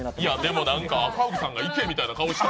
でも赤荻さんがいけみたいな顔した。